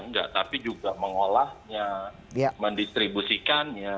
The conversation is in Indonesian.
enggak tapi juga mengolahnya mendistribusikannya